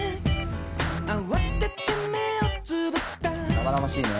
「生々しいね」